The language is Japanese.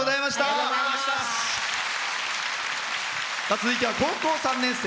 続いては高校３年生。